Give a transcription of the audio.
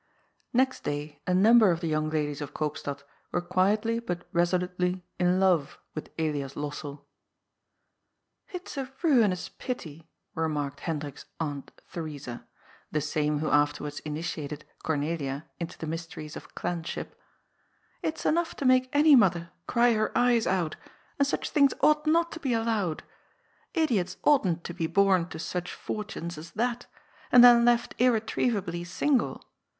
Next day a number of the young ladies of Koopstad were quietly but resolutely in love with Elias Lossell. '^It is a ruinous pity/' remarked Hendrik's Aunt Theresa, the same who afterwards initiated Cornelia into the mysteries of clanship, *' it's enough to make any mother cry her eyes out, and such things ought not to be allowed. Idiots oughtn't to be bom to such fortunes as that, and then left irretrievably single.